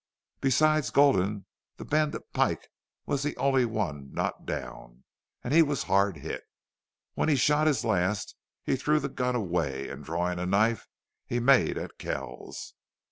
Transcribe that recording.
Besides Gulden the bandit Pike was the only one not down, and he was hard hit. When he shot his last he threw the gun away, and, drawing a knife, he made at Kells.